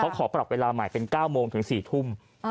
ขอปรับเวลาใหม่เป็น๙โมงถึง๔ทุ่ม